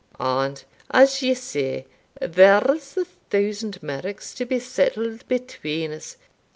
And, as you say, there's the thousand merks to be settled between us.